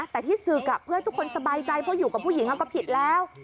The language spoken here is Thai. แต่ที่ศึกเพื่อให้ทุกคนสบายใจเพราะอยู่กับผู้หญิงก็ผิดแล้ว